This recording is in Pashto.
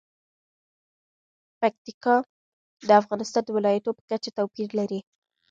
پکتیکا د افغانستان د ولایاتو په کچه توپیر لري.